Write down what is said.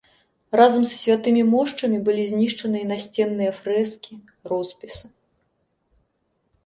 Разам са святымі мошчамі былі знішчаны і насценныя фрэскі, роспісы.